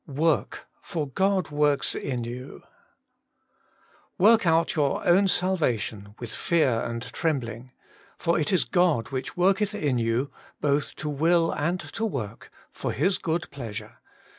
Morft, tor (3ot) worlds In ^on \' Work out your own salvation with fear and trembling ; for // is God zvhicli worketh in you \ both to will and to work, for His good pleasure.'